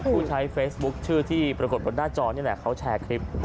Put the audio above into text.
ผู้ใช้เฟซบุ๊คชื่อที่ปรากฏบนหน้าจอนี่แหละเขาแชร์คลิป